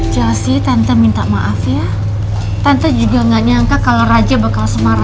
chelsea tante minta maaf ya tante juga gak nyangka kalau raja bakal semara